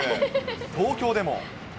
東京でも。